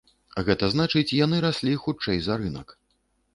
Гэта значыць, яны раслі хутчэй за рынак.